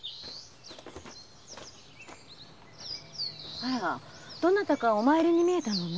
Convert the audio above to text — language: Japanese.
あらどなたかお参りに見えたのね。